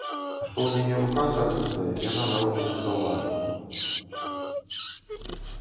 А што ў мяне рука сагнутая, яна нават і не заўважыла.